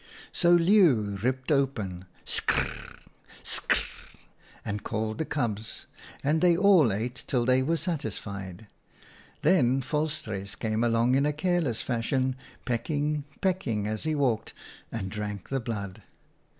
M So Leeuw ripped open — sk r r r r, sk r r r r — and called the cubs, and they all ate till they were satisfied. Then Vol struis came along in a careless fashion, peck ing, pecking as he walked, and drank the blood.